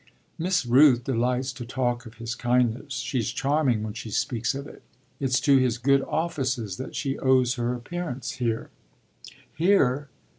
"Miss Rooth delights to talk of his kindness; she's charming when she speaks of it. It's to his good offices that she owes her appearance here." "Here?"